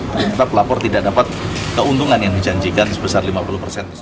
ternyata pelapor tidak dapat keuntungan yang dijanjikan sebesar lima puluh persen